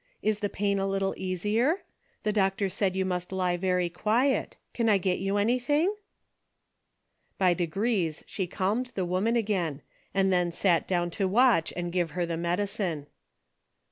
Is the pain a little easier ? The doctor said you must lie very quiet. Can I get you anything ?" By degrees she calmed the woman again, and then sat down to watch and give her the medicine.